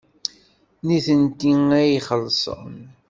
D nitenti ad ixellṣen.